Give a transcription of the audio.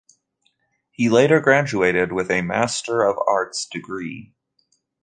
He later graduated with a Master of Arts degree.